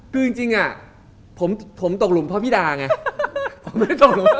คือจริงอ่ะผมตกหลุมเพราะพี่ดาไง